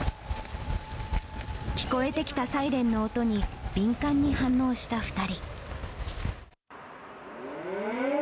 聞こえてきたサイレンの音に、敏感に反応した２人。